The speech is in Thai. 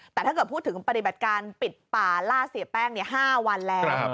แต่ถ้าเกิดพูดถึงปฏิบัติการปิดป่าล่าเสียแป้ง๕วันแล้ว